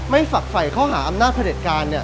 ไม่ฝักไฟเข้าหาอำนาจผลิตการ